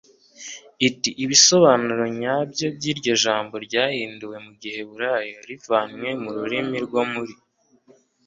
It Ibisobanuro nyabyo by iryo jambo ryahinduwe mu giheburayo rivanywe mu rurimi rwo muri